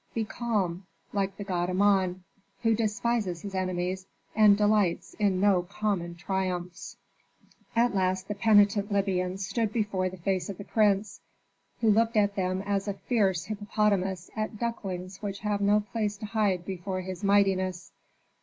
Be calm, like the god Amon, who despises his enemies and delights in no common triumphs." At last the penitent Libyans stood before the face of the prince, who looked at them as a fierce hippopotamus at ducklings which have no place to hide before his mightiness.